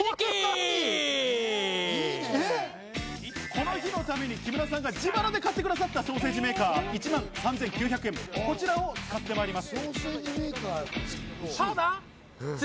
この日のために木村さんが自腹で買ってくださったソーセージメーカー、１万３９００円、こちらを使ってまいります。